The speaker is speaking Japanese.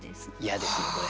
「や」ですよこれ。